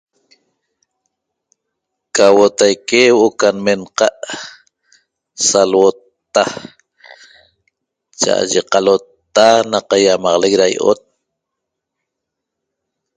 Ca huo'o ihotaque que eca n'menaca sa alhutta chaaye calota nacayamaleq cayot